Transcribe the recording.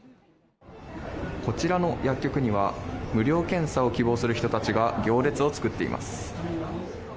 こちらの薬局には無料検査を希望する人たちが行列を作っています。